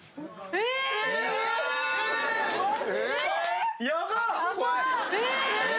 えっ？